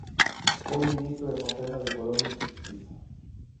Foi ministro de Facenda, de Colonias e de Xustiza.